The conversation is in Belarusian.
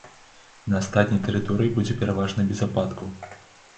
На астатняй тэрыторыі будзе пераважна без ападкаў.